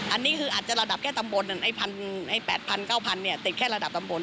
อันนี้คืออาจจะระดับแค่ตำบล๘๐๐๙๐๐ติดแค่ระดับตำบล